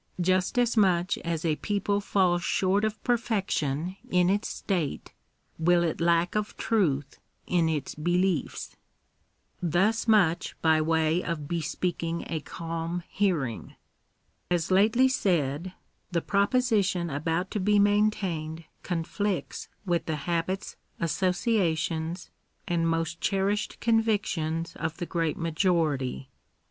Just as much as a people falls short of perfection in its state, will it lack of truth in its Thus much by way of bespeaking a calm hearing. As lately said, the proposition about to be maintained conflicts with the habits, associations, and most cherished convictions of the great majority.